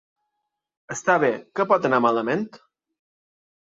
Està bé. Què pot anar malament?